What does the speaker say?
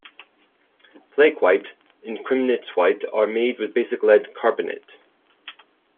Flake white and Cremnitz white are made with basic lead carbonate.